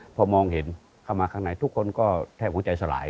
พอมองเห็นเข้ามาข้างในทุกคนก็แทบหัวใจสลาย